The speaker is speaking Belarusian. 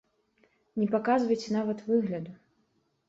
Не паказвайце нават выгляду.